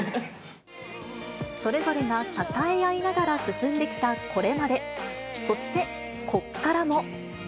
それぞれが支え合いながら進んできたこれまで、そして、こっからも。